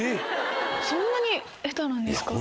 そんなに下手なんですか？